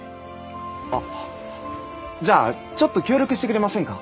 あっじゃあちょっと協力してくれませんか？